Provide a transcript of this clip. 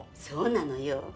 そうなのよ。